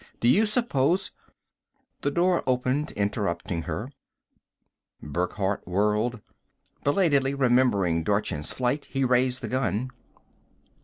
Do you suppose " The door opened, interrupting her. Burckhardt whirled. Belatedly remembering Dorchin's flight, he raised the gun.